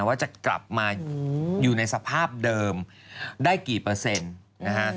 ว่าจะกลับมาอยู่ในสภาพเดิมได้กี่เปอร์เซ็นต์นะฮะ